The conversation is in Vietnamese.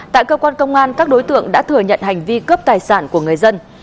tại cơ quan công an các đối tượng đã thừa nhận hành vi cướp tài sản của người dân